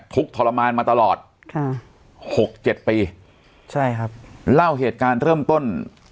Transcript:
ทุกข์ทรมานมาตลอดค่ะหกเจ็ดปีใช่ครับเล่าเหตุการณ์เริ่มต้น